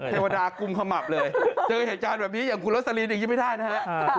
เทวดากุมขมับเลยเจอเหตุจารย์แบบนี้อย่างคุณลักษณีย์อีกยิ่งไม่ได้นะครับ